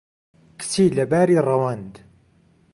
کچی لەباری ڕەوەند